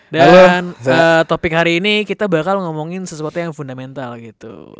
dan topik hari ini kita bakal ngomongin sesuatu yang fundamental gitu